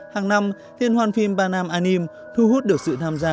hàng năm liên hoan phim panam anime thu hút được sự tham gia